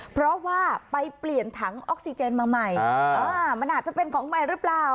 เพราะว่าไปเปลี่ยนถังออกซิเจนมาใหม่มันอาจจะเป็นของใหม่หรือเปล่า